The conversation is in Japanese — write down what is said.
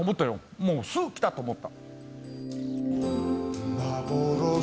もうすぐきたと思った。